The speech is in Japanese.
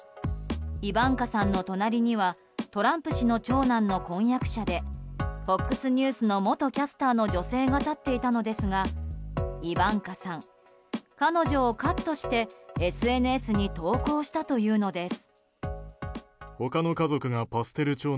イバンカさんの隣にはトランプ氏の長男の婚約者でＦＯＸニュースの元キャスターの女性が立っていたのですがイバンカさん、彼女をカットしてＳＮＳに投稿したというのです。